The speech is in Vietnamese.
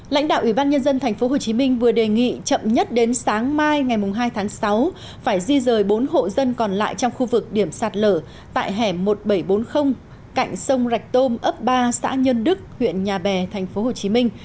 lãnh đạo ủy ban nhân dân tp hcm vừa đề nghị chậm nhất đến sáng mai ngày hai tháng sáu phải di rời bốn hộ dân còn lại trong khu vực điểm sạt lở tại hẻm một nghìn bảy trăm bốn mươi cạnh sông rạch tôm ấp ba xã nhân đức huyện nhà bè tp hcm